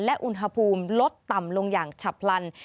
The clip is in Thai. และอุณหภูมิลดต่ำลงอย่างฉับพลัน